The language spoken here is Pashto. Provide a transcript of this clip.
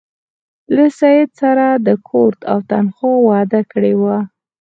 له سید سره د کور او تنخوا وعده کړې وه.